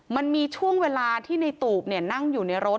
มันมีช่วงเวลาที่ในตูบนั่งอยู่ในรถ